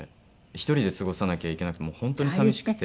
１人で過ごさなきゃいけなくて本当に寂しくて。